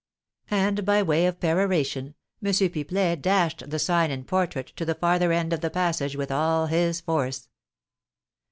And, by way of peroration, M. Pipelet dashed the sign and portrait to the farther end of the passage with all his force.